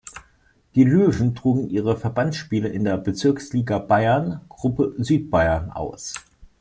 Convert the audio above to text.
Die "Löwen" trugen ihre Verbandsspiele in der Bezirksliga Bayern, Gruppe Südbayern aus.